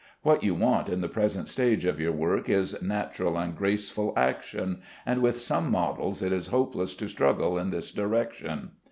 What you want in the present stage of your work is natural and graceful action, and with some models it is hopeless to struggle in this direction.